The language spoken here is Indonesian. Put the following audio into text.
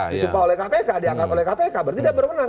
berarti dia bermenang